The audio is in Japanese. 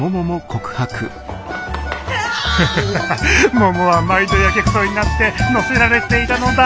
ハハハハももは毎度やけくそになって乗せられていたのだ！